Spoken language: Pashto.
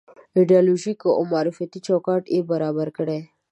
ایدیالوژيک او معرفتي چوکاټ یې برابر کړی.